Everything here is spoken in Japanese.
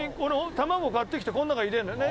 卵買ってきてこの中に入れるんだよね。